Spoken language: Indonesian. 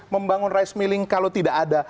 membangun rice milling kalau tidak ada